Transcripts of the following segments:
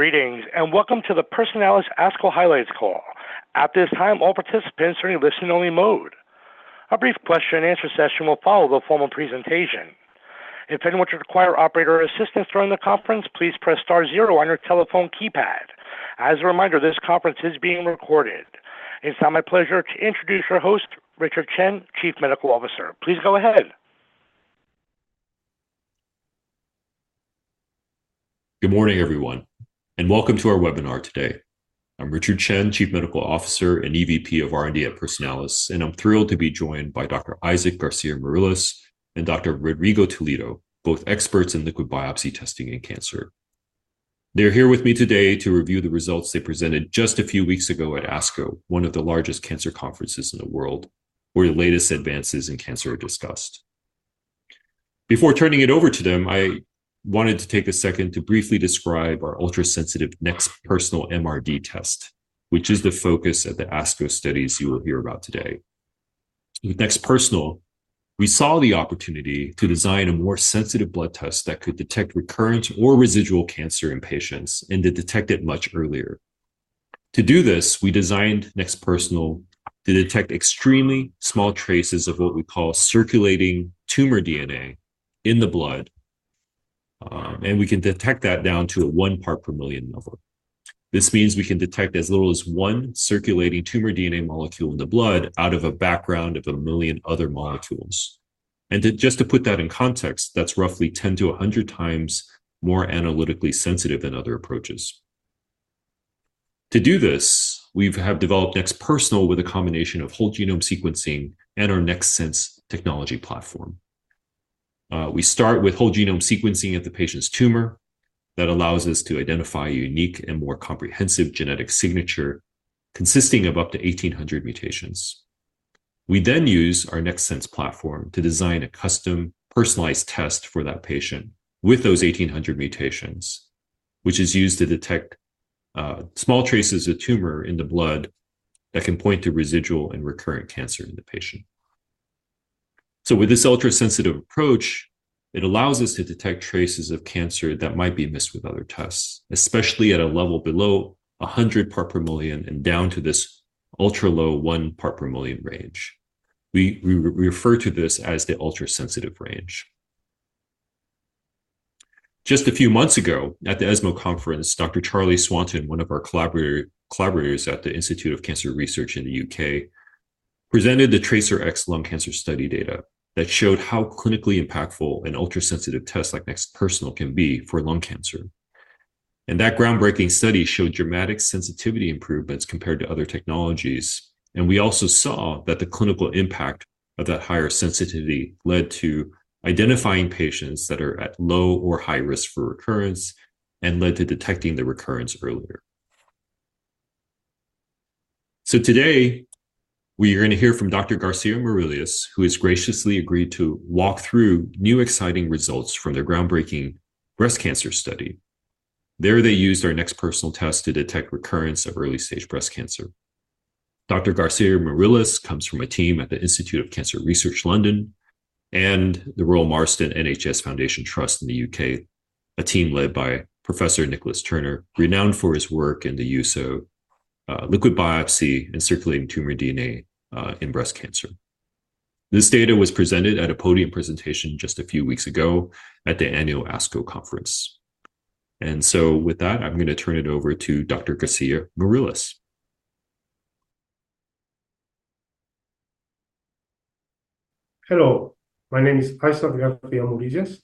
Greetings and welcome to the Personalis ASCO highlights call. At this time, all participants are in listening-only mode. A brief question-and-answer session will follow the formal presentation. If anyone should require operator assistance during the conference, please press star zero on your telephone keypad. As a reminder, this conference is being recorded. It's now my pleasure to introduce our host, Richard Chen, Chief Medical Officer. Please go ahead. Good morning, everyone, and welcome to our webinar today. I'm Richard Chen, Chief Medical Officer and EVP of R&D at Personalis, and I'm thrilled to be joined by Dr. Isaac Garcia-Murillas and Dr. Rodrigo Toledo, both experts in liquid biopsy testing in cancer. They're here with me today to review the results they presented just a few weeks ago at ASCO, one of the largest cancer conferences in the world, where the latest advances in cancer are discussed. Before turning it over to them, I wanted to take a second to briefly describe our ultra-sensitive NeXT Personal MRD test, which is the focus of the ASCO studies you will hear about today. With NeXT Personal, we saw the opportunity to design a more sensitive blood test that could detect recurrent or residual cancer in patients and to detect it much earlier. To do this, we designed NeXT Personal to detect extremely small traces of what we call circulating tumor DNA in the blood, and we can detect that down to a 1 part per million number. This means we can detect as little as one circulating tumor DNA molecule in the blood out of a background of a million other molecules. Just to put that in context, that's roughly 10 to 100 times more analytically sensitive than other approaches. To do this, we have developed NeXT Personal with a combination of whole genome sequencing and our NeXT Sense technology platform. We start with whole genome sequencing at the patient's tumor that allows us to identify a unique and more comprehensive genetic signature consisting of up to 1,800 mutations. We then use our NeXT Sense platform to design a custom personalized test for that patient with those 1,800 mutations, which is used to detect small traces of tumor in the blood that can point to residual and recurrent cancer in the patient. So with this ultra-sensitive approach, it allows us to detect traces of cancer that might be missed with other tests, especially at a level below 100 parts per million and down to this ultra-low one part per million range. We refer to this as the ultra-sensitive range. Just a few months ago at the ESMO conference, Dr. Charlie Swanton, one of our collaborators at the Institute of Cancer Research in the UK, presented the TRACERx lung cancer study data that showed how clinically impactful an ultra-sensitive test like NeXT Personal can be for lung cancer. That groundbreaking study showed dramatic sensitivity improvements compared to other technologies, and we also saw that the clinical impact of that higher sensitivity led to identifying patients that are at low or high risk for recurrence and led to detecting the recurrence earlier. Today, we are going to hear from Dr. Garcia-Murillas, who has graciously agreed to walk through new exciting results from their groundbreaking breast cancer study. There they used our NeXT Personal test to detect recurrence of early-stage breast cancer. Dr. Garcia-Murillas comes from a team at The Institute of Cancer Research, London and The Royal Marsden NHS Foundation Trust in the UK, a team led by Professor Nicholas Turner, renowned for his work in the use of liquid biopsy and circulating tumor DNA in breast cancer. This data was presented at a podium presentation just a few weeks ago at the annual ASCO conference. With that, I'm going to turn it over to Dr. Garcia-Murillas. Hello, my name is Isaac Garcia-Murillas.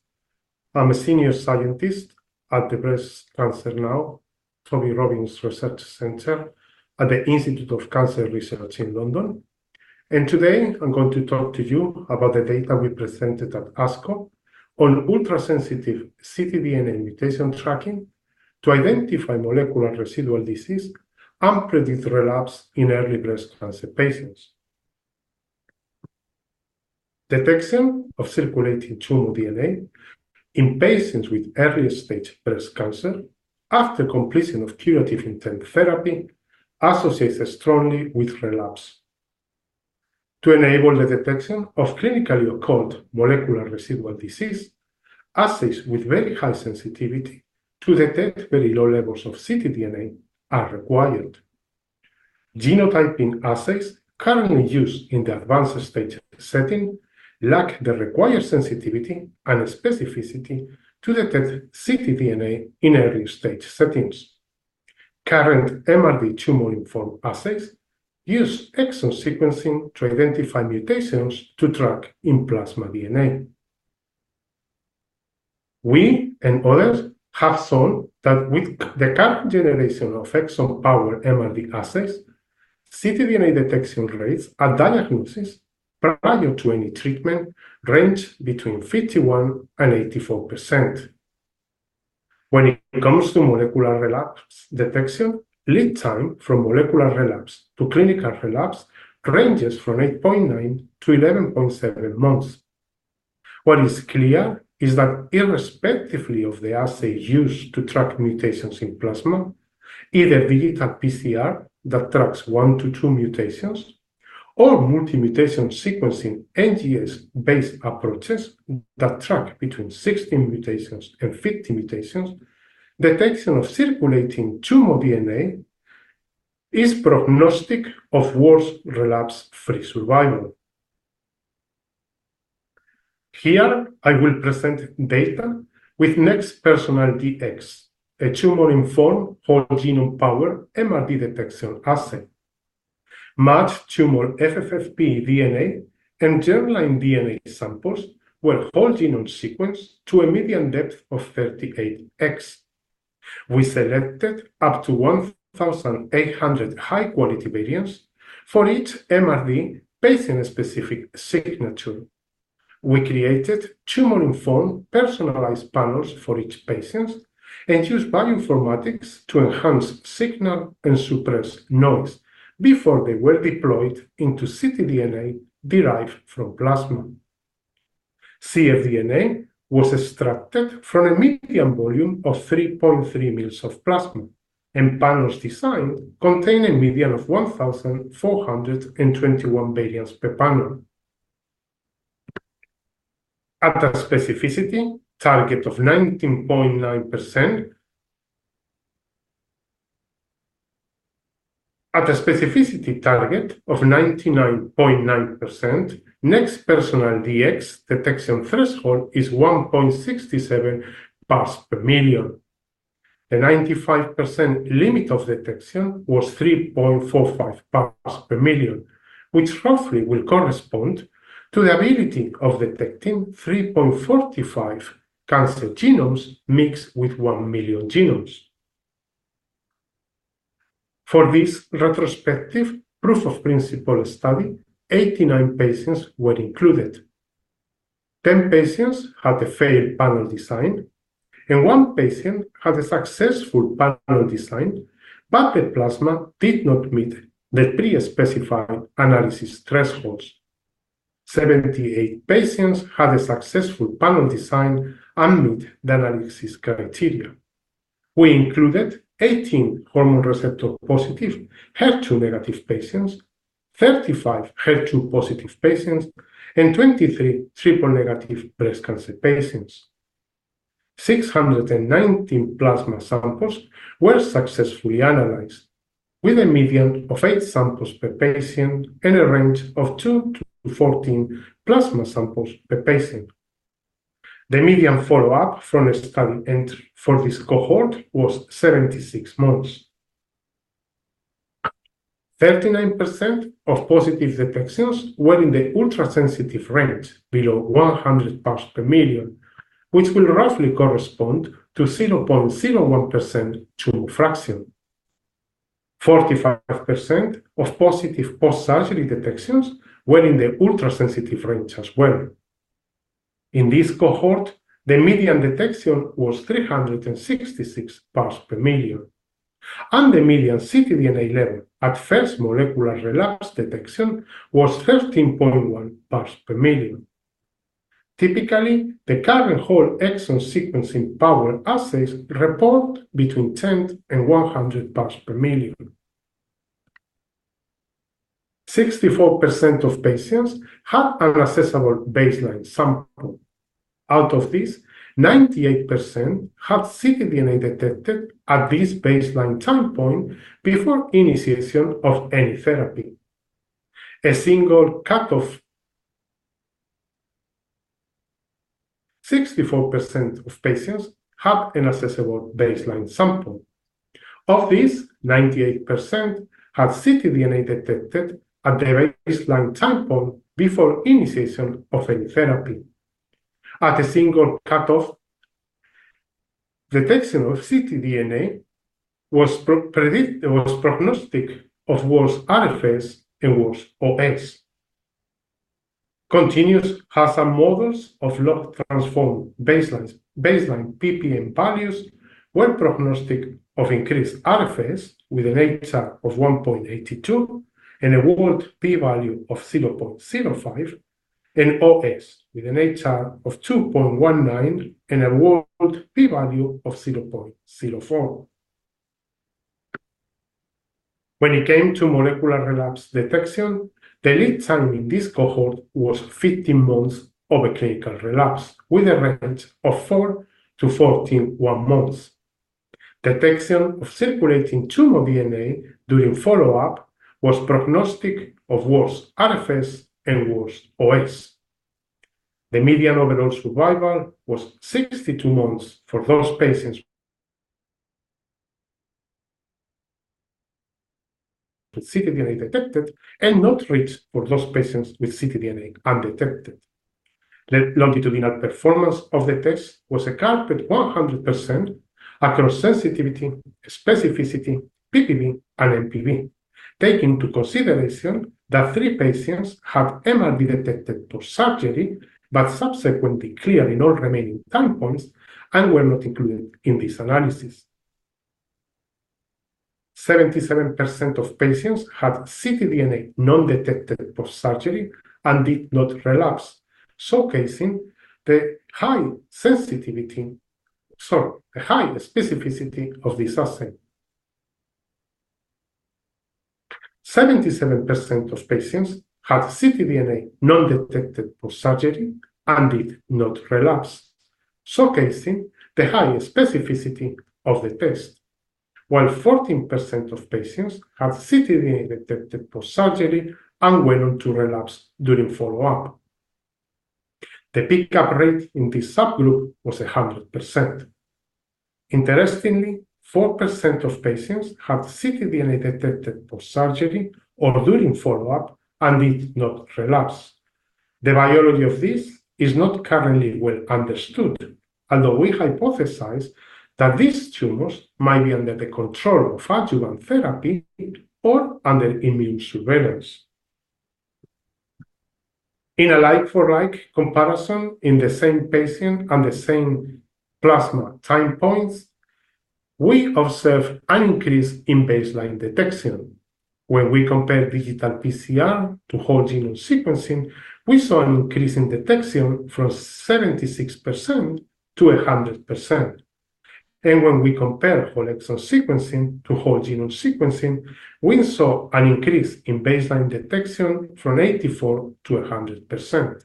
I'm a Senior Scientist at the Breast Cancer Now Toby Robins Research Centre at The Institute of Cancer Research, London. Today, I'm going to talk to you about the data we presented at ASCO on ultra-sensitive ctDNA mutation tracking to identify molecular residual disease and predict relapse in early breast cancer patients. Detection of circulating tumor DNA in patients with early-stage breast cancer after completion of curative intent therapy associates strongly with relapse. To enable the detection of clinically occult molecular residual disease, assays with very high sensitivity to detect very low levels of ctDNA are required. Genotyping assays currently used in the advanced stage setting lack the required sensitivity and specificity to detect ctDNA in early-stage settings. Current MRD tumor-informed assays use exome sequencing to identify mutations to track in plasma DNA. We and others have shown that with the current generation of exome-powered MRD assays, ctDNA detection rates at diagnosis prior to any treatment range between 51%-84%. When it comes to molecular relapse detection, lead time from molecular relapse to clinical relapse ranges from 8.9-11.7 months. What is clear is that irrespective of the assay used to track mutations in plasma, either digital PCR that tracks one to two mutations or multi-mutation sequencing NGS-based approaches that track between 16 mutations and 50 mutations, detection of circulating tumor DNA is prognostic of worse relapse-free survival. Here, I will present data with NeXT Personal Dx, a tumor-informed whole genome powered MRD detection assay. Matched tumor FFPE DNA and germline DNA samples were whole genome sequenced to a median depth of 38X. We selected up to 1,800 high-quality variants for each MRD patient-specific signature. We created tumor-informed personalized panels for each patient and used bioinformatics to enhance signal and suppress noise before they were deployed into ctDNA derived from plasma. cfDNA was extracted from a median volume of 3.3 milliliters of plasma, and panels designed contain a median of 1,421 variants per panel. At a specificity target of 19.9%, at a specificity target of 99.9%, NeXT Personal Dx detection threshold is 1.67 parts per million. The 95% limit of detection was 3.45 parts per million, which roughly will correspond to the ability of detecting 3.45 cancer genomes mixed with 1 million genomes. For this retrospective proof-of-principle study, 89 patients were included. 10 patients had a failed panel design, and one patient had a successful panel design, but the plasma did not meet the pre-specified analysis thresholds. 78 patients had a successful panel design and met the analysis criteria. We included 18 hormone receptor-positive, HER2-negative patients, 35 HER2-positive patients, and 23 triple-negative breast cancer patients. 619 plasma samples were successfully analyzed, with a median of eight samples per patient and a range of two to 14 plasma samples per patient. The median follow-up from the study for this cohort was 76 months. 39% of positive detections were in the ultra-sensitive range below 100 parts per million, which will roughly correspond to 0.01% tumor fraction. 45% of positive post-surgery detections were in the ultra-sensitive range as well. In this cohort, the median detection was 366 parts per million, and the median ctDNA level at first molecular relapse detection was 13.1 parts per million. Typically, the current whole exome sequencing powered assays report between 10 and 100 parts per million. 64% of patients had an accessible baseline sample. Out of these, 98% had ctDNA detected at this baseline time point before initiation of any therapy. A single cut of 64% of patients had an accessible baseline sample. Of these, 98% had ctDNA detected at the baseline time point before initiation of any therapy. At a single cut of detection of ctDNA, it was prognostic of worse RFS and worse OS. Continuous Cox models of log-transform baseline ppm values were prognostic of increased RFS with an HR of 1.82 and a Wald P value of 0.05, and OS with an HR of 2.19 and a Wald P value of 0.04. When it came to molecular relapse detection, the lead time in this cohort was 15 months ahead of a clinical relapse with a range of four to 41 months. Detection of circulating tumor DNA during follow-up was prognostic of worse RFS and worse OS. The median overall survival was 62 months for those patients with ctDNA detected and not reached for those patients with ctDNA undetected. The longitudinal performance of the test was perfect 100% across sensitivity, specificity, PPV, and NPV, taking into consideration that three patients had MRD detected post-surgery but subsequently cleared in all remaining time points and were not included in this analysis. 77% of patients had ctDNA nondetected post-surgery and did not relapse, showcasing the high sensitivity, sorry, the high specificity of this assay. 77% of patients had ctDNA nondetected post-surgery and did not relapse, showcasing the high specificity of the test, while 14% of patients had ctDNA detected post-surgery and went on to relapse during follow-up. The pickup rate in this subgroup was 100%. Interestingly, 4% of patients had ctDNA detected post-surgery or during follow-up and did not relapse. The biology of this is not currently well understood, although we hypothesize that these tumors might be under the control of adjuvant therapy or under immune surveillance. In a like-for-like comparison in the same patient and the same plasma time points, we observed an increase in baseline detection. When we compared digital PCR to whole genome sequencing, we saw an increase in detection from 76% to 100%. When we compared whole exome sequencing to whole genome sequencing, we saw an increase in baseline detection from 84% to 100%.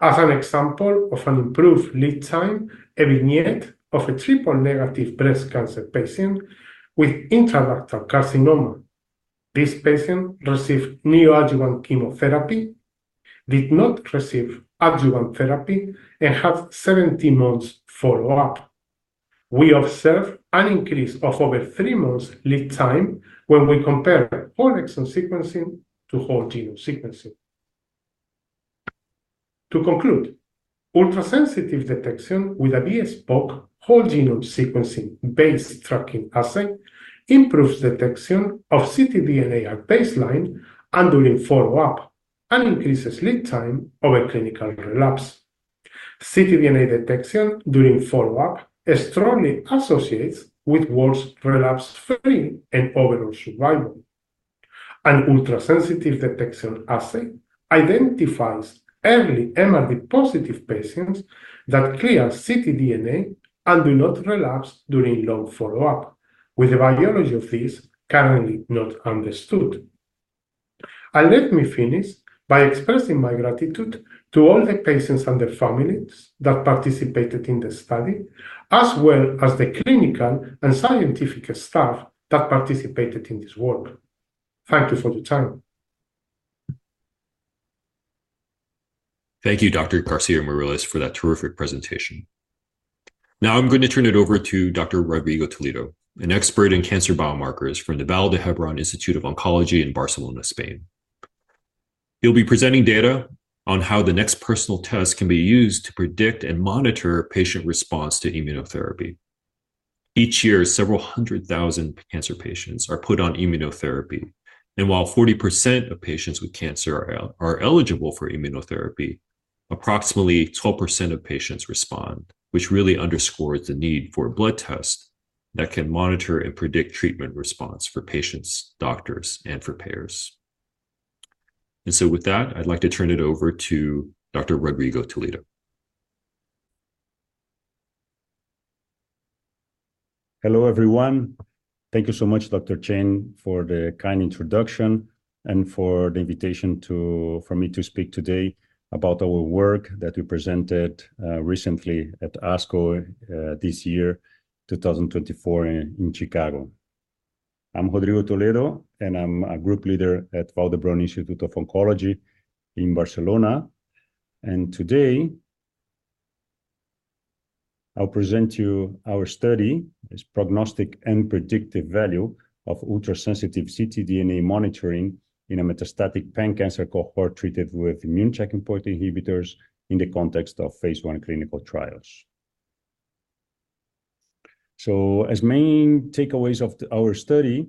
As an example of an improved lead time, a vignette of a triple-negative breast cancer patient with intraductal carcinoma. This patient received neoadjuvant chemotherapy, did not receive adjuvant therapy, and had 17 months follow-up. We observed an increase of over three months lead time when we compared whole exome sequencing to whole genome sequencing. To conclude, ultra-sensitive detection with a bespoke whole genome sequencing-based tracking assay improves detection of ctDNA at baseline and during follow-up and increases lead time of a clinical relapse. ctDNA detection during follow-up strongly associates with worse relapse-free and overall survival. An ultra-sensitive detection assay identifies early MRD-positive patients that clear ctDNA and do not relapse during long follow-up, with the biology of this currently not understood. Let me finish by expressing my gratitude to all the patients and their families that participated in the study, as well as the clinical and scientific staff that participated in this work. Thank you for your time. Thank you, Dr. Garcia-Murillas, for that terrific presentation. Now, I'm going to turn it over to Dr. Rodrigo Toledo, an expert in Cancer Biomarkers from the Vall d'Hebron Institute of Oncology in Barcelona, Spain. He'll be presenting data on how the NeXT Personal test can be used to predict and monitor patient response to immunotherapy. Each year, several hundred thousand cancer patients are put on immunotherapy. And while 40% of patients with cancer are eligible for immunotherapy, approximately 12% of patients respond, which really underscores the need for a blood test that can monitor and predict treatment response for patients, doctors, and for payers. And so, with that, I'd like to turn it over to Dr. Rodrigo Toledo. Hello, everyone. Thank you so much, Dr. Chen, for the kind introduction and for the invitation for me to speak today about our work that we presented recently at ASCO this year, 2024, in Chicago. I'm Rodrigo Toledo, and I'm a Group Leader at Vall d'Hebron Institute of Oncology in Barcelona. And today, I'll present to you our study, its prognostic and predictive value of ultra-sensitive ctDNA monitoring in a metastatic pan-cancer cohort treated with immune checkpoint inhibitors in the context of phase I clinical trials. So, as main takeaways of our study,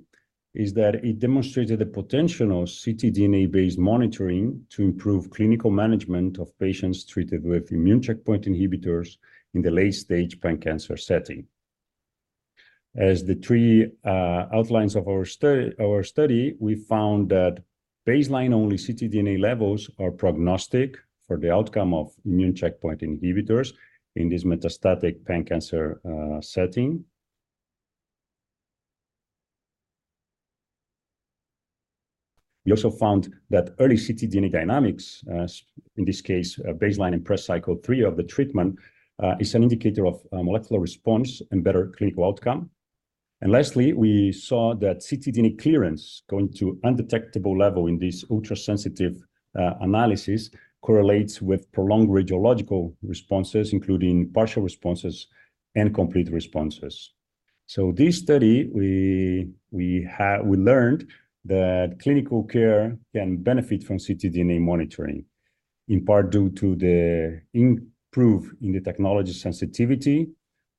is that it demonstrated the potential of ctDNA-based monitoring to improve clinical management of patients treated with immune checkpoint inhibitors in the late-stage pan-cancer setting. As the three outlines of our study, we found that baseline-only ctDNA levels are prognostic for the outcome of immune checkpoint inhibitors in this metastatic pan-cancer setting. We also found that early ctDNA dynamics, in this case, baseline and post cycle three of the treatment, is an indicator of molecular response and better clinical outcome. Lastly, we saw that ctDNA clearance going to undetectable level in this ultra-sensitive analysis correlates with prolonged radiological responses, including partial responses and complete responses. So, this study, we learned that clinical care can benefit from ctDNA monitoring, in part due to the improvement in the technology sensitivity,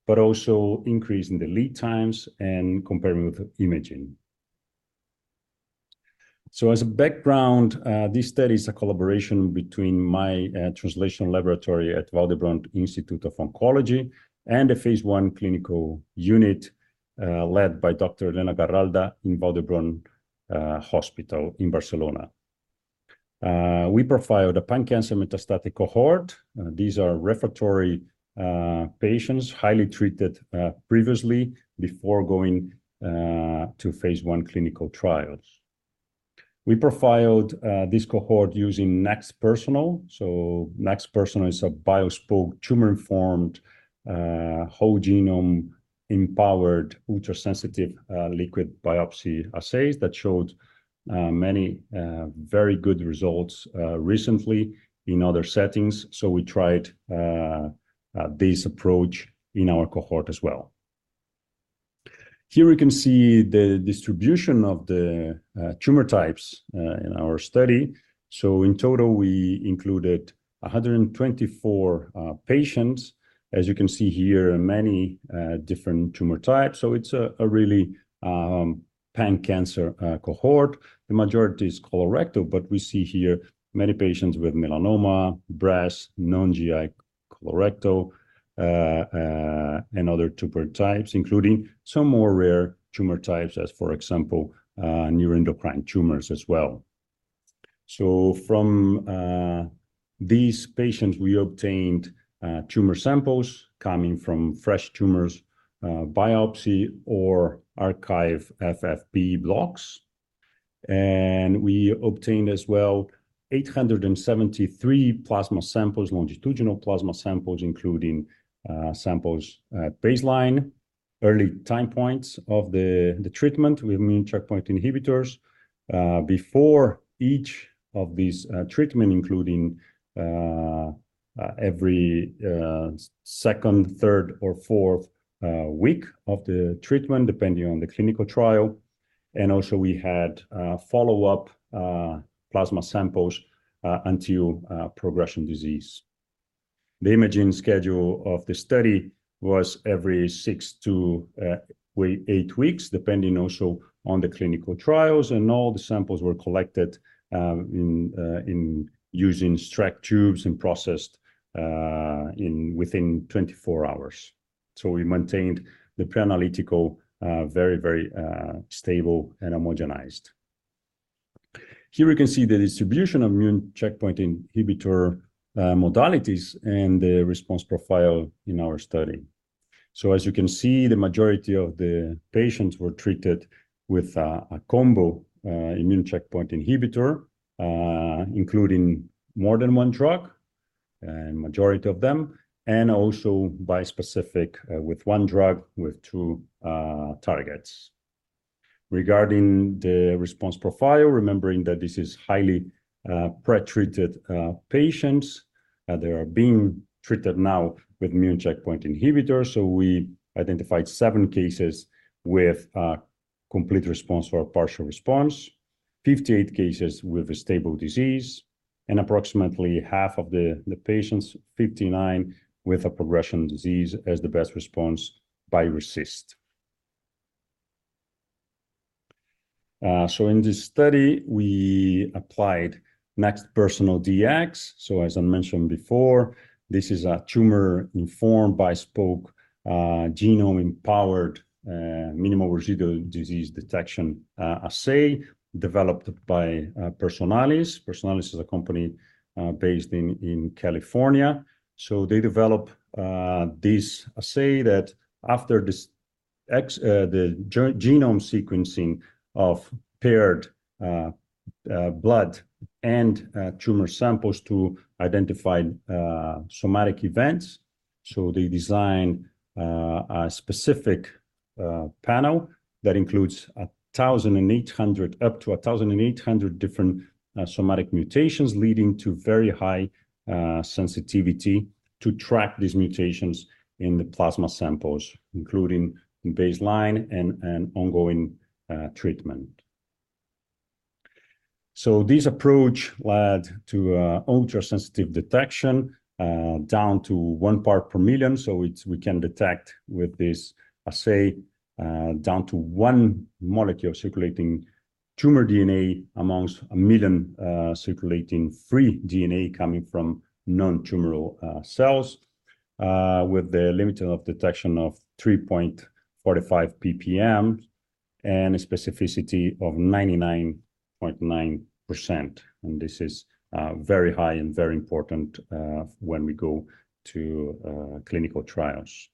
but also increase in the lead times and compared with imaging. So, as a background, this study is a collaboration between my translation laboratory at Vall d'Hebron Institute of Oncology and the phase I clinical unit led by Dr. Elena Garralda in Vall d'Hebron University Hospital in Barcelona. We profiled a pan-cancer metastatic cohort. These are refractory patients highly treated previously before going to phase I clinical trials. We profiled this cohort using NeXT Personal. So, NeXT Personal is a bespoke tumor-informed whole genome-empowered ultra-sensitive liquid biopsy assay that showed many very good results recently in other settings. So, we tried this approach in our cohort as well. Here, we can see the distribution of the tumor types in our study. So, in total, we included 124 patients, as you can see here, many different tumor types. So, it's a really pan-cancer cohort. The majority is colorectal, but we see here many patients with melanoma, breast, non-GI colorectal, and other tumor types, including some more rare tumor types, as for example, neuroendocrine tumors as well. So, from these patients, we obtained tumor samples coming from fresh tumor biopsies or archive FFPE blocks. We obtained as well 873 plasma samples, longitudinal plasma samples, including samples at baseline, early time points of the treatment with immune checkpoint inhibitors before each of these treatments, including every second, third, or fourth week of the treatment, depending on the clinical trial. We also had follow-up plasma samples until disease progression. The imaging schedule of the study was every six to eight weeks, depending also on the clinical trials. All the samples were collected using Streck tubes and processed within 24 hours. We maintained the pre-analytical very, very stable and homogenized. Here, we can see the distribution of immune checkpoint inhibitor modalities and the response profile in our study. So, as you can see, the majority of the patients were treated with a combo immune checkpoint inhibitor, including more than one drug, and majority of them, and also bispecific with one drug with two targets. Regarding the response profile, remembering that this is highly pretreated patients, they are being treated now with immune checkpoint inhibitors. So, we identified seven cases with complete response or partial response, 58 cases with a stable disease, and approximately half of the patients, 59 with a progression disease as the best response by RECIST. So, in this study, we applied NeXT Personal Dx. So, as I mentioned before, this is a tumor-informed bespoke genome-empowered minimal residual disease detection assay developed by Personalis. Personalis is a company based in California. So, they developed this assay that after the genome sequencing of paired blood and tumor samples to identify somatic events. They designed a specific panel that includes 1,800 up to 1,800 different somatic mutations leading to very high sensitivity to track these mutations in the plasma samples, including baseline and ongoing treatment. This approach led to ultra-sensitive detection down to one part per million. We can detect with this assay down to one molecule circulating tumor DNA among a million circulating free DNA coming from non-tumoral cells with the limit of detection of 3.45 ppm and a specificity of 99.9%. And this is very high and very important when we go to clinical trials.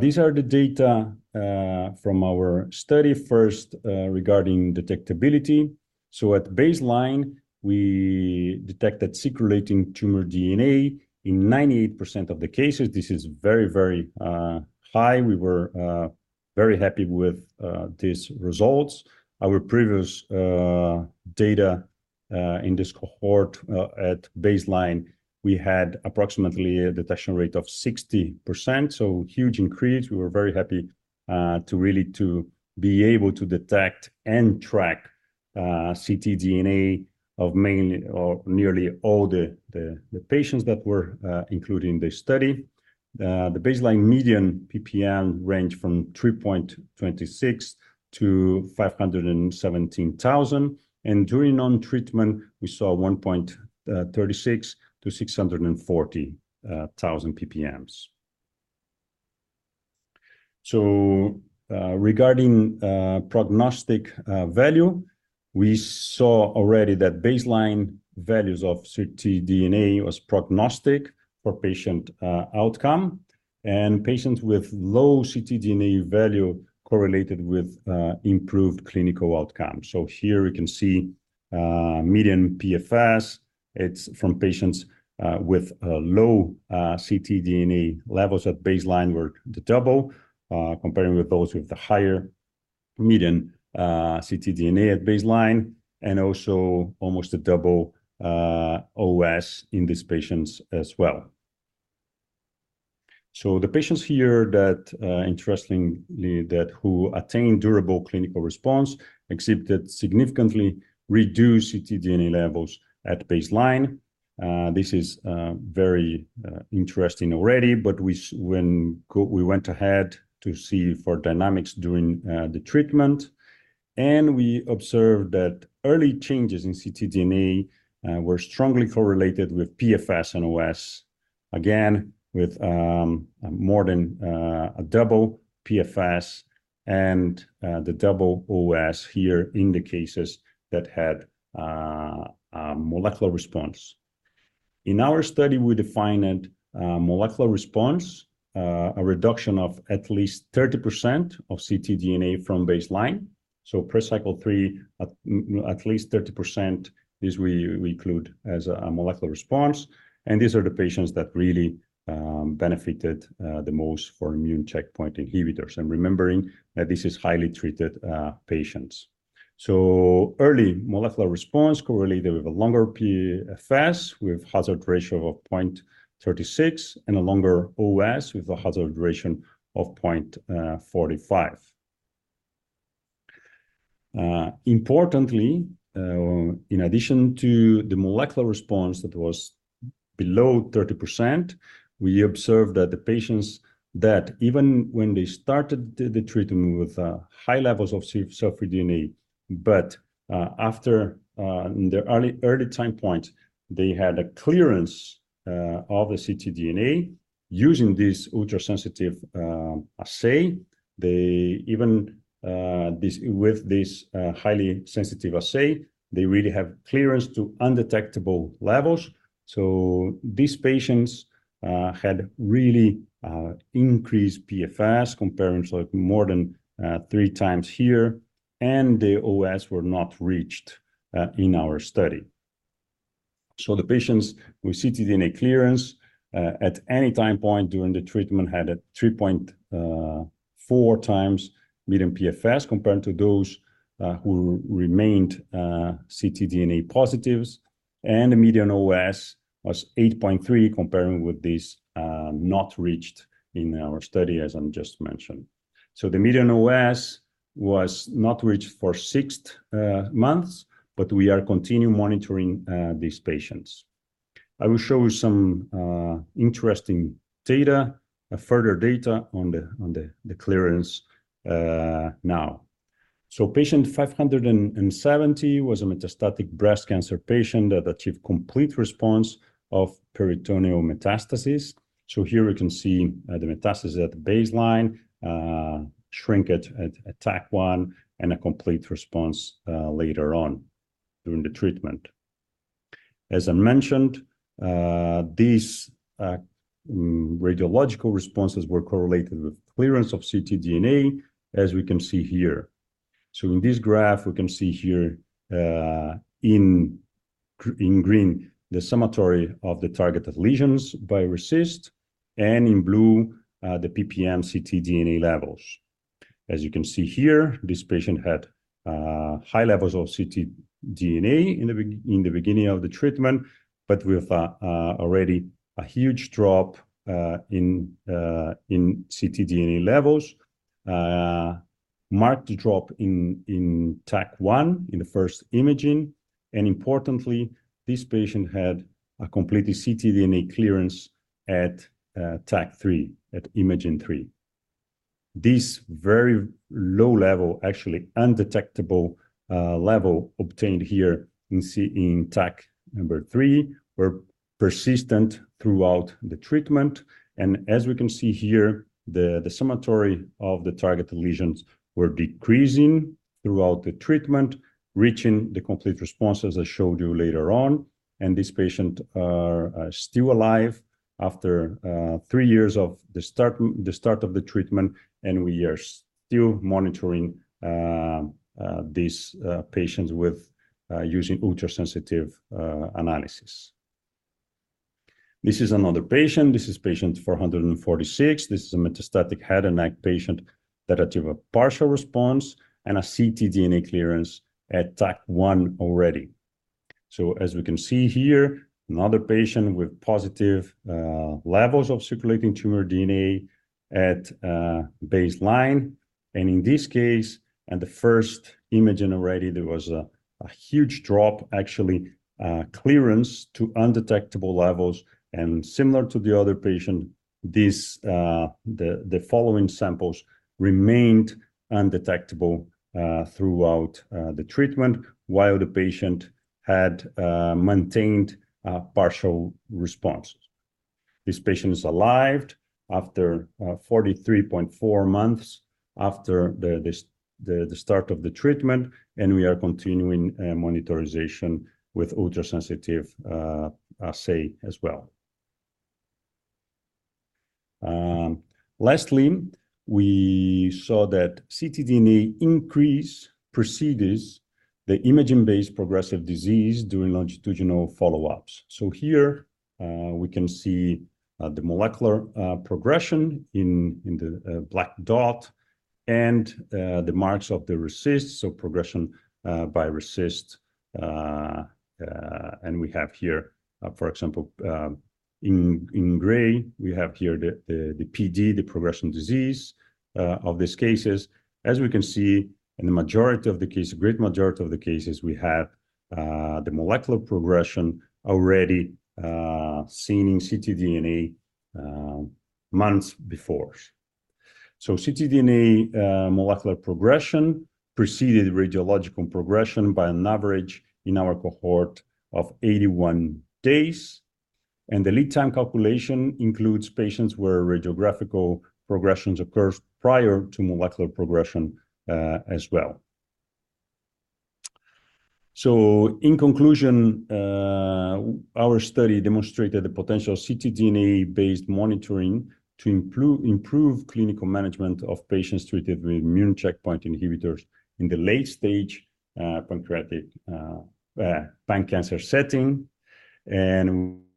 These are the data from our study first regarding detectability. At baseline, we detected circulating tumor DNA in 98% of the cases. This is very, very high. We were very happy with these results. Our previous data in this cohort at baseline, we had approximately a detection rate of 60%, so a huge increase. We were very happy to really be able to detect and track ctDNA of nearly all the patients that were included in the study. The baseline median ppm ranged from 3.26 to 517,000. During non-treatment, we saw 1.36 to 640,000 ppm. Regarding prognostic value, we saw already that baseline values of ctDNA was prognostic for patient outcome. Patients with low ctDNA value correlated with improved clinical outcome. Here we can see median PFS. It's from patients with low ctDNA levels at baseline were the double, comparing with those with the higher median ctDNA at baseline, and also almost the double OS in these patients as well. The patients here that, interestingly, that who attained durable clinical response exhibited significantly reduced ctDNA levels at baseline. This is very interesting already, but we went ahead to see for dynamics during the treatment. We observed that early changes in ctDNA were strongly correlated with PFS and OS, again, with more than a double PFS and the double OS here in the cases that had molecular response. In our study, we defined molecular response, a reduction of at least 30% of ctDNA from baseline. So, post cycle three, at least 30%, this we include as a molecular response. These are the patients that really benefited the most for immune checkpoint inhibitors. Remembering that this is highly treated patients. Early molecular response correlated with a longer PFS with hazard ratio of 0.36 and a longer OS with a hazard ratio of 0.45. Importantly, in addition to the molecular response that was below 30%, we observed that the patients that even when they started the treatment with high levels of cfDNA, but after the early time point, they had a clearance of the ctDNA using this ultra-sensitive assay. They even, with this highly sensitive assay, they really have clearance to undetectable levels. So, these patients had really increased PFS compared to more than three times here. And the OS was not reached in our study. So, the patients with ctDNA clearance at any time point during the treatment had a 3.4 times median PFS compared to those who remained ctDNA positive. And the median OS was 8.3 compared with not reached in our study, as I just mentioned. So, the median OS was not reached for six months, but we are continuing monitoring these patients. I will show you some interesting data, further data on the clearance now. So, patient 570 was a metastatic breast cancer patient that achieved complete response of peritoneal metastasis. So, here we can see the metastasis at the baseline, shrink at T1, and a complete response later on during the treatment. As I mentioned, these radiological responses were correlated with clearance of ctDNA, as we can see here. So, in this graph, we can see here in green the sum of the targeted lesions by RECIST. And in blue, the ppm ctDNA levels. As you can see here, this patient had high levels of ctDNA in the beginning of the treatment, but with already a huge drop in ctDNA levels, marked drop in T1 in the first imaging. And importantly, this patient had a complete ctDNA clearance at T3, at imaging three. This very low level, actually undetectable level obtained here in T number three were persistent throughout the treatment. As we can see here, the sum of the targeted lesions were decreasing throughout the treatment, reaching the complete response, as I showed you later on. This patient is still alive after three years of the start of the treatment. We are still monitoring these patients using ultra-sensitive analysis. This is another patient. This is patient 446. This is a metastatic head and neck patient that achieved a partial response and a ctDNA clearance at T1 already. So, as we can see here, another patient with positive levels of circulating tumor DNA at baseline. In this case, at the first imaging already, there was a huge drop, actually clearance to undetectable levels. Similar to the other patient, the following samples remained undetectable throughout the treatment while the patient had maintained partial response. This patient is alive after 43.4 months after the start of the treatment. We are continuing monitoring with ultra-sensitive assay as well. Lastly, we saw that ctDNA increase precedes the imaging-based progressive disease during longitudinal follow-ups. Here we can see the molecular progression in the black dot and the marks of the RECIST. Progression by RECIST. We have here, for example, in gray, we have here the PD, the progressive disease of these cases. As we can see, in the majority of the cases, great majority of the cases, we have the molecular progression already seen in ctDNA months before. ctDNA molecular progression preceded radiological progression by an average in our cohort of 81 days. The lead time calculation includes patients where radiographic progressions occur prior to molecular progression as well. In conclusion, our study demonstrated the potential ctDNA-based monitoring to improve clinical management of patients treated with immune checkpoint inhibitors in the late-stage pancreatic cancer setting.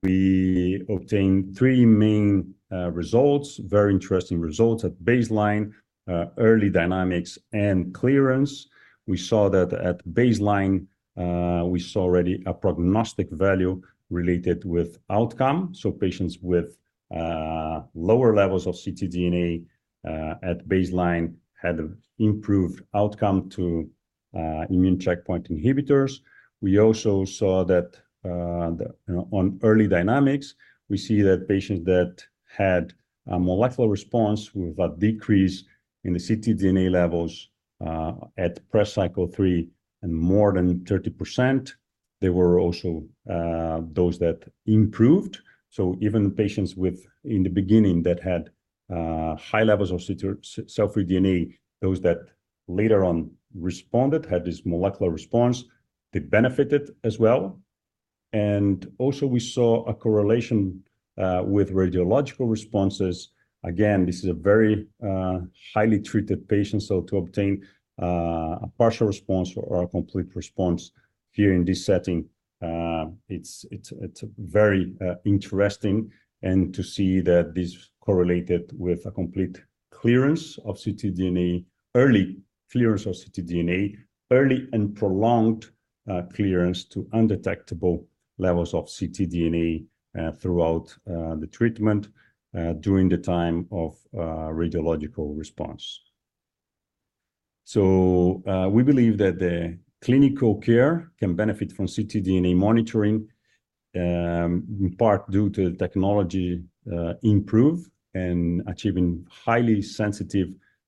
We obtained three main results, very interesting results at baseline, early dynamics, and clearance. We saw that at baseline, we saw already a prognostic value related with outcome. Patients with lower levels of ctDNA at baseline had improved outcome to immune checkpoint inhibitors. We also saw that on early dynamics, we see that patients that had a molecular response with a decrease in the ctDNA levels at cycle three and more than 30%, there were also those that improved. So, even patients in the beginning that had high levels of cell-free DNA, those that later on responded, had this molecular response, they benefited as well. Also, we saw a correlation with radiological responses. Again, this is a very heavily treated patient. So, to obtain a partial response or a complete response here in this setting, it's very interesting to see that this correlated with a complete clearance of ctDNA, early clearance of ctDNA, early and prolonged clearance to undetectable levels of ctDNA throughout the treatment during the time of radiological response. So, we believe that the clinical care can benefit from ctDNA monitoring, in part due to the technology improved and achieving highly sensitive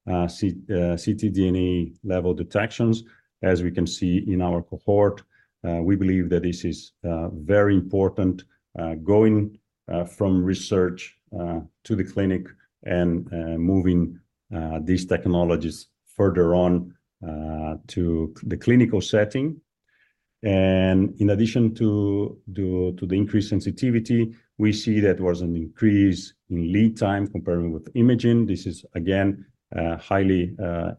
ctDNA level detections. As we can see in our cohort, we believe that this is very important going from research to the clinic and moving these technologies further on to the clinical setting. And in addition to the increased sensitivity, we see that there was an increase in lead time compared with imaging. This is, again, highly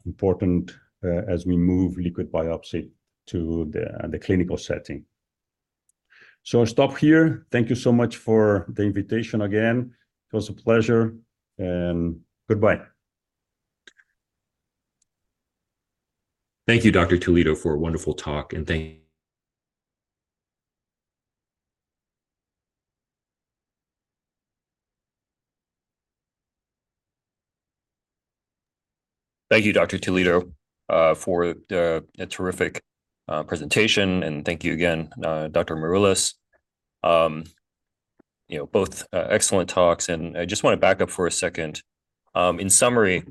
important as we move liquid biopsy to the clinical setting. So, I'll stop here. Thank you so much for the invitation again. It was a pleasure. And goodbye. Thank you, Dr. Toledo, for a wonderful talk. And thank you. Thank you, Dr. Toledo, for the terrific presentation. And thank you again, Dr. Murillas. Both excellent talks. And I just want to back up for a second. In summary,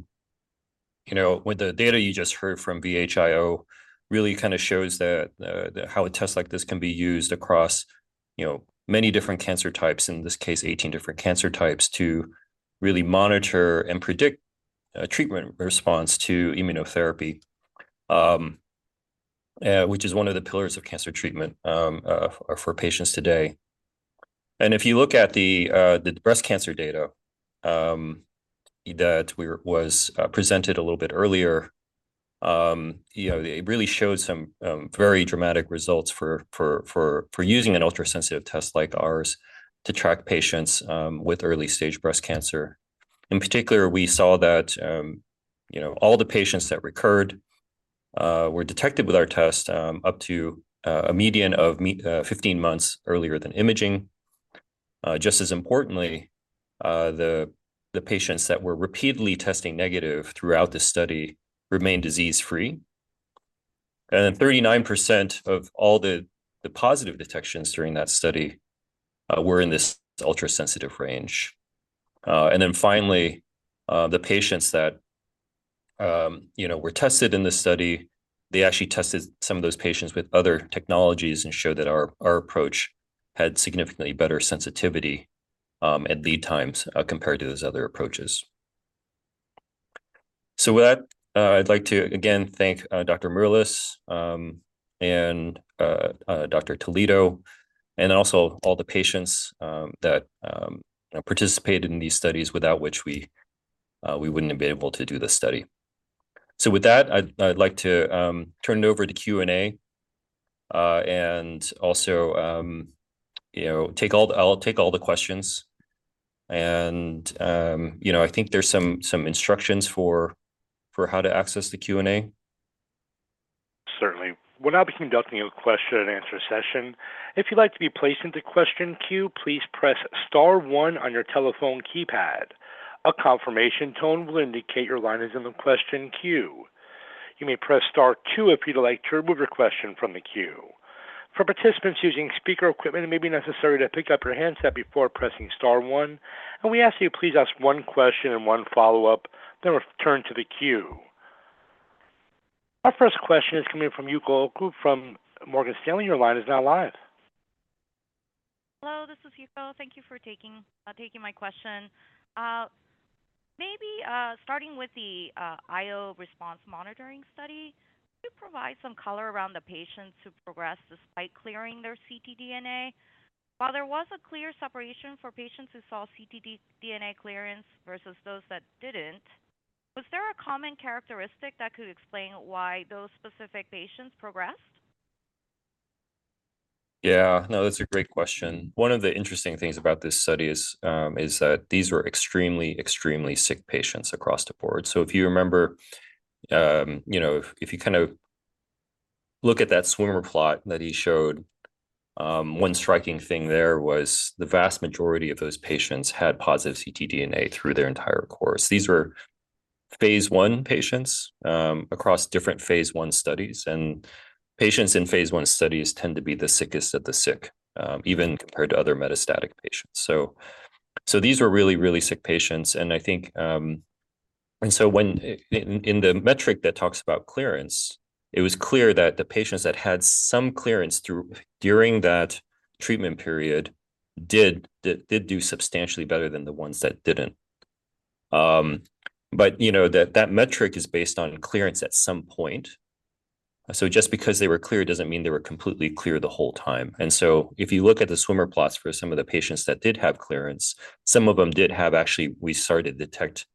with the data you just heard from VHIO, really kind of shows that how a test like this can be used across many different cancer types, in this case, 18 different cancer types, to really monitor and predict treatment response to immunotherapy, which is one of the pillars of cancer treatment for patients today. And if you look at the breast cancer data that was presented a little bit earlier, it really showed some very dramatic results for using an ultra-sensitive test like ours to track patients with early stage breast cancer. In particular, we saw that all the patients that recurred were detected with our test up to a median of 15 months earlier than imaging. Just as importantly, the patients that were repeatedly testing negative throughout the study remained disease-free. And 39% of all the positive detections during that study were in this ultra-sensitive range. And then finally, the patients that were tested in this study, they actually tested some of those patients with other technologies and showed that our approach had significantly better sensitivity and lead times compared to those other approaches. So with that, I'd like to again thank Dr. Murillas and Dr. Toledo, and also all the patients that participated in these studies, without which we wouldn't have been able to do this study. So with that, I'd like to turn it over to Q&A and also take all the questions. And I think there's some instructions for how to access the Q&A. Certainly. We're now beginning to open your question-and-answer session. If you'd like to be placed into question queue, please press star one on your telephone keypad. A confirmation tone will indicate your line is in the question queue. You may press star two if you'd like to remove your question from the queue. For participants using speaker equipment, it may be necessary to pick up your handset before pressing star one. And we ask that you please ask one question and one follow-up, then return to the queue. Our first question is coming from Yuko from Morgan Stanley. Your line is now live. Hello, this is Yuko. Thank you for taking my question. Maybe starting with the IO response monitoring study, could you provide some color around the patients who progressed despite clearing their ctDNA? While there was a clear separation for patients who saw ctDNA clearance versus those that didn't, was there a common characteristic that could explain why those specific patients progressed? Yeah. No, that's a great question. One of the interesting things about this study is that these were extremely, extremely sick patients across the board. So if you remember, if you kind of look at that swimmer plot that he showed, one striking thing there was the vast majority of those patients had positive ctDNA through their entire course. These were phase I patients across different phase I studies. Patients in phase I studies tend to be the sickest of the sick, even compared to other metastatic patients. These were really, really sick patients. I think, and so in the metric that talks about clearance, it was clear that the patients that had some clearance during that treatment period did do substantially better than the ones that didn't. But that metric is based on clearance at some point. Just because they were clear doesn't mean they were completely clear the whole time. If you look at the swimmer plots for some of the patients that did have clearance, some of them did have actually we started to detect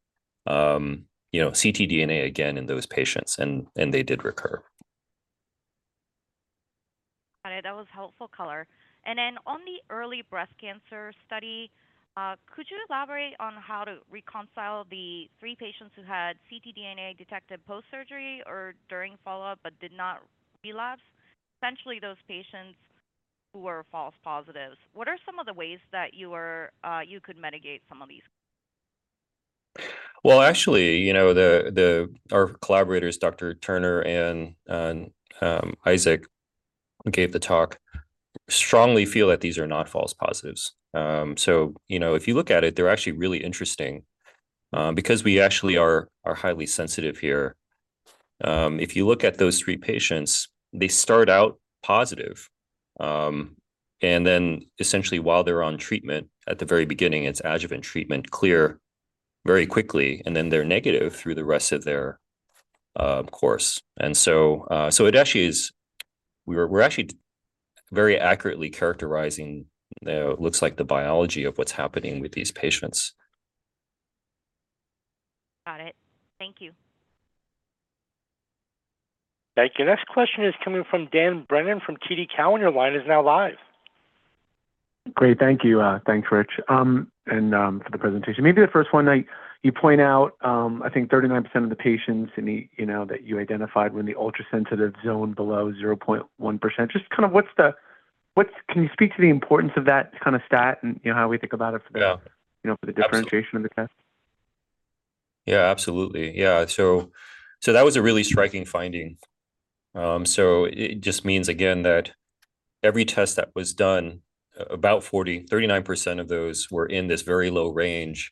ctDNA again in those patients, and they did recur. Got it. That was helpful color. And then on the early breast cancer study, could you elaborate on how to reconcile the three patients who had ctDNA detected post-surgery or during follow-up but did not relapse? Essentially, those patients who were false positives. What are some of the ways that you could mitigate some of these? Well, actually, our collaborators, Dr. Turner and Isaac, who gave the talk, strongly feel that these are not false positives. So if you look at it, they're actually really interesting because we actually are highly sensitive here. If you look at those three patients, they start out positive. And then essentially, while they're on treatment at the very beginning, it's adjuvant treatment clear very quickly, and then they're negative through the rest of their course. And so it actually is we're actually very accurately characterizing, it looks like, the biology of what's happening with these patients. Got it. Thank you. Thank you. Next question is coming from Dan Brennan from TD Cowen. Your line is now live. Great. Thank you. Thanks, Rich. And for the presentation. Maybe the first one you point out, I think 39% of the patients that you identified were in the ultra-sensitive zone below 0.1%. Just kind of what's the can you speak to the importance of that kind of stat and how we think about it for the differentiation of the test? Yeah, absolutely. Yeah. So that was a really striking finding. So it just means, again, that every test that was done, about 39% of those were in this very low range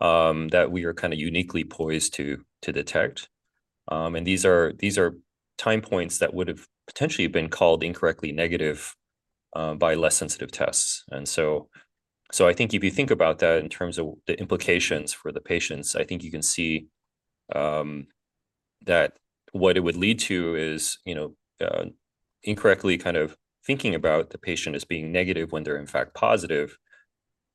that we are kind of uniquely poised to detect. And these are time points that would have potentially been called incorrectly negative by less sensitive tests. And so I think if you think about that in terms of the implications for the patients, I think you can see that what it would lead to is incorrectly kind of thinking about the patient as being negative when they're in fact positive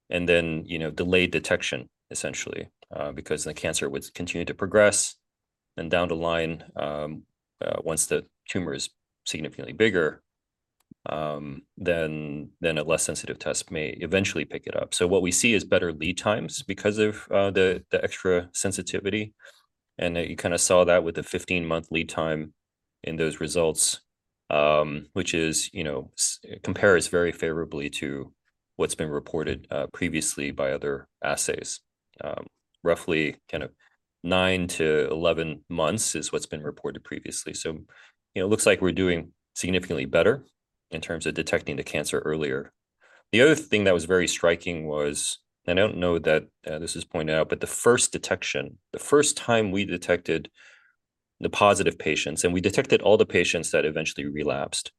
and then delayed detection, essentially, because the cancer would continue to progress. And down the line, once the tumor is significantly bigger, then a less sensitive test may eventually pick it up. So what we see is better lead times because of the extra sensitivity. And you kind of saw that with the 15-month lead time in those results, which compares very favorably to what's been reported previously by other assays. Roughly kind of nine to 11 months is what's been reported previously. So it looks like we're doing significantly better in terms of detecting the cancer earlier. The other thing that was very striking was, and I don't know that this is pointed out, but the first detection, the first time we detected the positive patients, and we detected all the patients that eventually relapsed.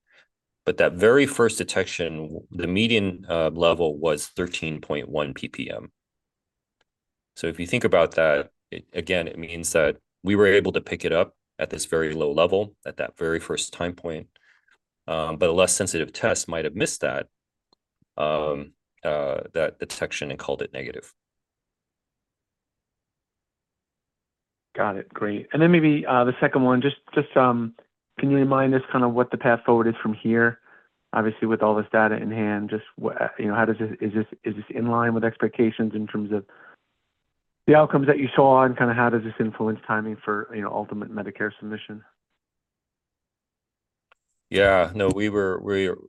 But that very first detection, the median level was 13.1 ppm. So if you think about that, again, it means that we were able to pick it up at this very low level at that very first time point. But a less sensitive test might have missed that detection and called it negative. Got it. Great. And then maybe the second one, just can you remind us kind of what the path forward is from here, obviously, with all this data in hand? Just, how does this? Is this in line with expectations in terms of the outcomes that you saw and kind of how does this influence timing for ultimate Medicare submission? Yeah. No,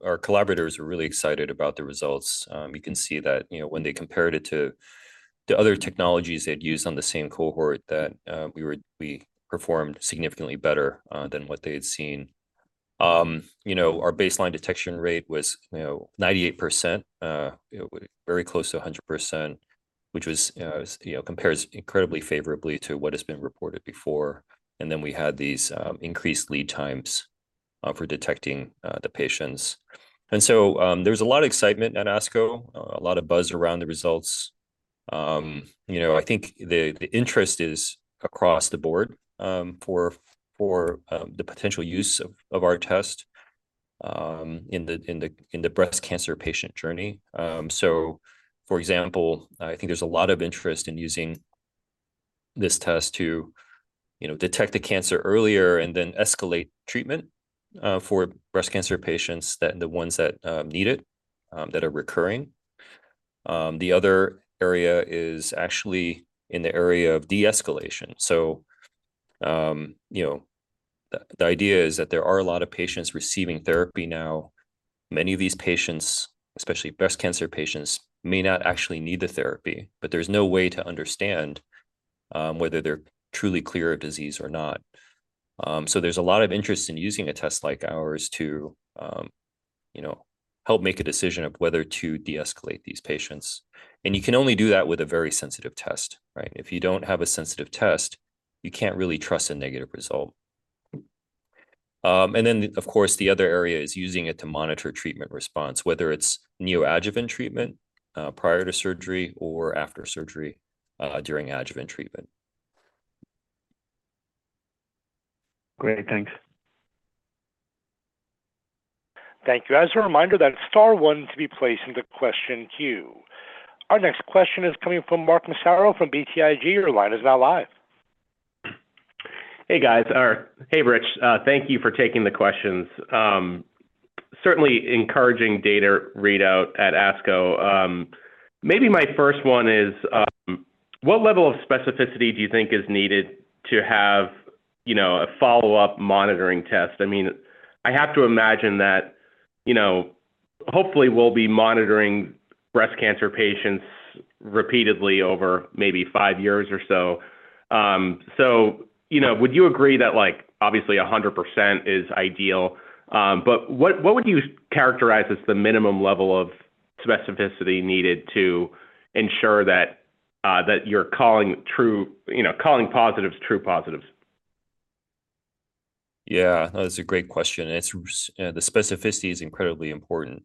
our collaborators were really excited about the results. You can see that when they compared it to the other technologies they had used on the same cohort, that we performed significantly better than what they had seen. Our baseline detection rate was 98%, very close to 100%, which compares incredibly favorably to what has been reported before. And then we had these increased lead times for detecting the patients. And so there was a lot of excitement at ASCO, a lot of buzz around the results. I think the interest is across the board for the potential use of our test in the breast cancer patient journey. For example, I think there's a lot of interest in using this test to detect the cancer earlier and then escalate treatment for breast cancer patients, the ones that need it, that are recurring. The other area is actually in the area of de-escalation. The idea is that there are a lot of patients receiving therapy now. Many of these patients, especially breast cancer patients, may not actually need the therapy, but there's no way to understand whether they're truly clear of disease or not. There's a lot of interest in using a test like ours to help make a decision of whether to de-escalate these patients. And you can only do that with a very sensitive test, right? If you don't have a sensitive test, you can't really trust a negative result. And then, of course, the other area is using it to monitor treatment response, whether it's neoadjuvant treatment prior to surgery or after surgery during adjuvant treatment. Great. Thanks. Thank you. As a reminder, that star one is to be placed into question queue. Our next question is coming from Mark Massaro from BTIG. Your line is now live. Hey, guys. Hey, Rich. Thank you for taking the questions. Certainly encouraging data readout at ASCO. Maybe my first one is, what level of specificity do you think is needed to have a follow-up monitoring test? I mean, I have to imagine that hopefully we'll be monitoring breast cancer patients repeatedly over maybe five years or so. So would you agree that obviously 100% is ideal? But what would you characterize as the minimum level of specificity needed to ensure that you're calling positives true positives? Yeah. That's a great question. The specificity is incredibly important.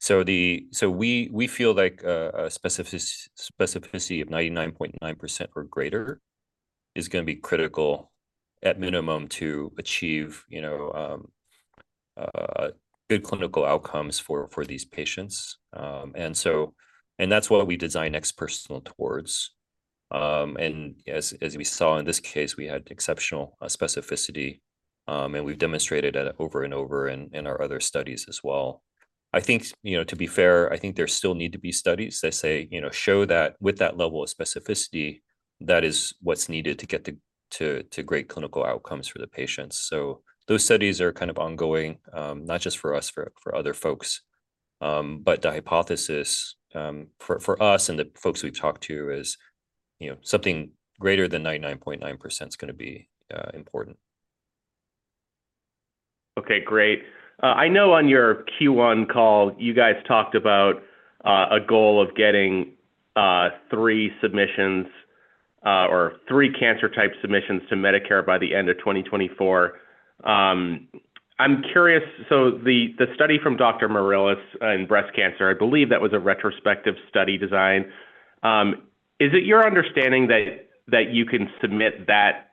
So we feel like a specificity of 99.9% or greater is going to be critical at minimum to achieve good clinical outcomes for these patients. And that's what we design NeXT Personal towards. And as we saw in this case, we had exceptional specificity, and we've demonstrated it over and over in our other studies as well. I think, to be fair, I think there still need to be studies that say, "Show that with that level of specificity, that is what's needed to get to great clinical outcomes for the patients." So those studies are kind of ongoing, not just for us, for other folks. But the hypothesis for us and the folks we've talked to is something greater than 99.9% is going to be important. Okay. Great. I know on your Q1 call, you guys talked about a goal of getting three submissions or three cancer-type submissions to Medicare by the end of 2024. I'm curious. So the study from Dr. Morillas in breast cancer, I believe that was a retrospective study design. Is it your understanding that you can submit that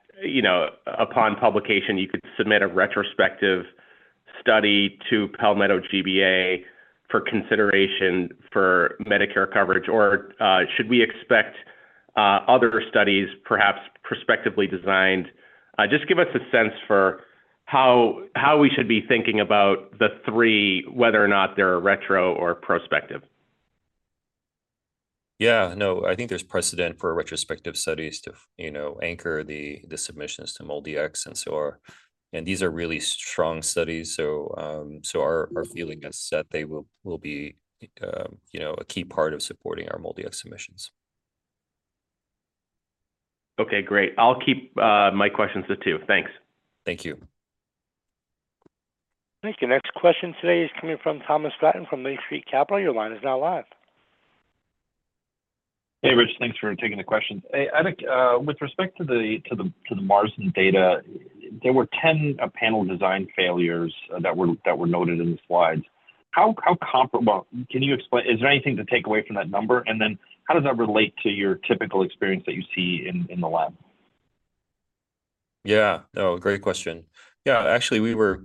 upon publication, you could submit a retrospective study to Palmetto GBA for consideration for Medicare coverage? Or should we expect other studies, perhaps prospectively designed? Just give us a sense for how we should be thinking about the three, whether or not they're retro or prospective. Yeah. No, I think there's precedent for retrospective studies to anchor the submissions to MolDX and so on. These are really strong studies. Our feeling is that they will be a key part of supporting our MolDX submissions. Okay. Great. I'll keep my questions to two. Thanks. Thank you. Thank you. Next question today is coming from Thomas Grattan from Main Street Capital. Your line is now live. Hey, Rich. Thanks for taking the questions. Hey, Eric, with respect to the MRD data, there were 10 panel design failures that were noted in the slides. How comparable can you explain? Is there anything to take away from that number? And then how does that relate to your typical experience that you see in the lab? Yeah. No, great question. Yeah. Actually, we were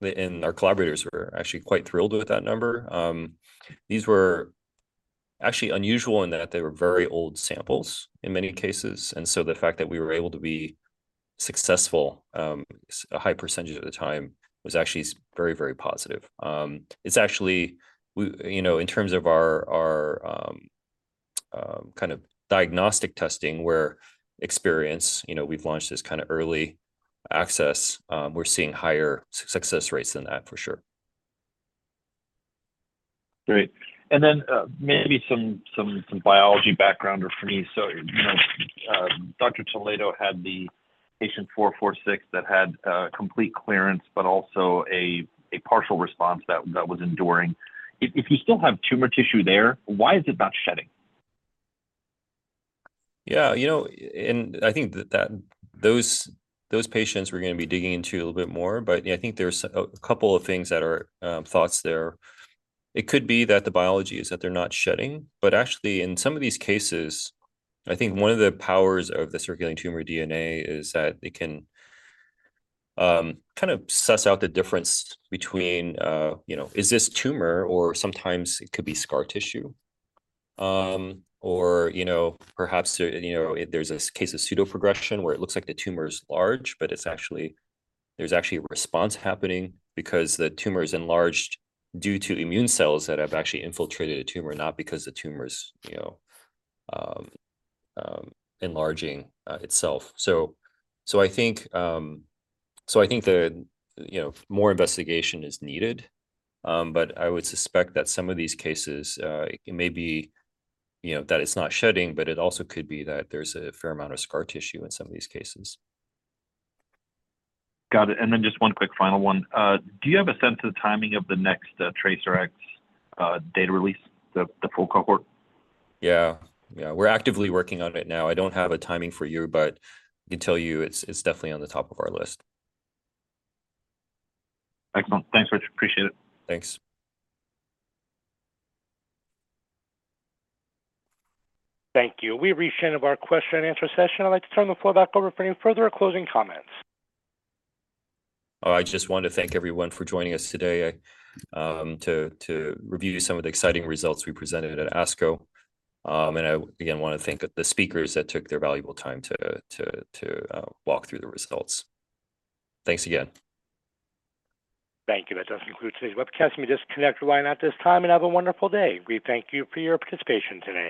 and our collaborators were actually quite thrilled with that number. These were actually unusual in that they were very old samples in many cases. And so the fact that we were able to be successful a high percentage of the time was actually very, very positive. It's actually in terms of our kind of diagnostic testing where experience, we've launched this kind of early access, we're seeing higher success rates than that, for sure. Great. And then maybe some biology background for me. So Dr. Toledo had the patient 446 that had complete clearance, but also a partial response that was enduring. If you still have tumor tissue there, why is it not shedding? Yeah. And I think that those patients we're going to be digging into a little bit more. But I think there's a couple of things that are thoughts there. It could be that the biology is that they're not shedding. But actually, in some of these cases, I think one of the powers of the circulating tumor DNA is that it can kind of suss out the difference between, is this tumor or sometimes it could be scar tissue? Or perhaps there's a case of pseudoprogression where it looks like the tumor is large, but there's actually a response happening because the tumor is enlarged due to immune cells that have actually infiltrated a tumor, not because the tumor is enlarging itself. So I think more investigation is needed. But I would suspect that some of these cases, it may be that it's not shedding, but it also could be that there's a fair amount of scar tissue in some of these cases. Got it. And then just one quick final one. Do you have a sense of the timing of the next TRACERx data release, the full cohort? Yeah. Yeah. We're actively working on it now. I don't have a timing for you, but I can tell you it's definitely on the top of our list. Excellent. Thanks, Rich. Appreciate it. Thanks. Thank you. We reached the end of our question-and-answer session. I'd like to turn the floor back over for any further closing comments. I just wanted to thank everyone for joining us today to review some of the exciting results we presented at ASCO. And I, again, want to thank the speakers that took their valuable time to walk through the results. Thanks again. Thank you. That does conclude today's webcast. Let me just connect the line at this time and have a wonderful day. We thank you for your participation today.